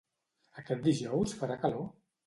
Aquest dijous farà calor?